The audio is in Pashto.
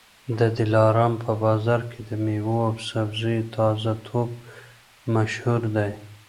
د دلارام په بازار کي د مېوو او سبزیو تازه توب مشهور دی.